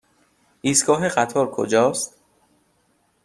ایستگاه قطار کجاست؟